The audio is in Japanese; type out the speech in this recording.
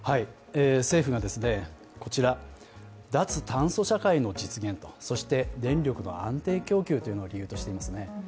政府が脱炭素社会の実現とそして電力の安定供給というのを理由としていますね